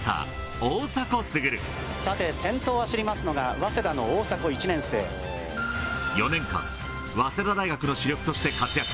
さて、先頭を走りますのが、４年間、早稲田大学の主力として活躍。